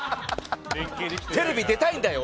テレビ出たいんだよ！